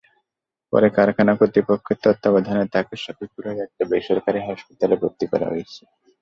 পরে কারখানা কর্তৃপক্ষের তত্ত্বাবধানে তাঁকে সফিপুরের একটি বেসরকারি হাসপাতালে ভর্তি করা হয়েছে।